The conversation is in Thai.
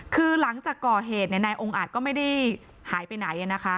คือหลังจากก่อเหตุนายองค์อาจก็ไม่ได้หายไปไหน